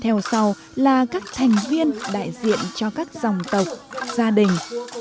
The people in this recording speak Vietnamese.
trường làng là người đại diện cho các dòng tộc gia đình